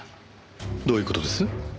どういう事です？